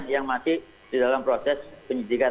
yang masih di dalam proses penyidikan